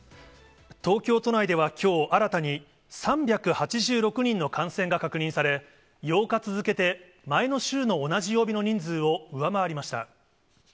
東京都内ではきょう新たに、３８６人の感染が確認され、８日続けて前の週の同じ曜日の人数を上回りました。